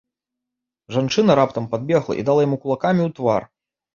Жанчына раптам падбегла і дала яму кулакамі ў твар.